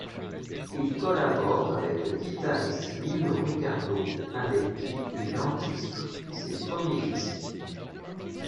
Il collabore avec le guitariste Niño Ricardo avec qui il enregistre ses premier disques.